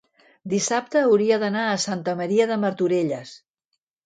dissabte hauria d'anar a Santa Maria de Martorelles.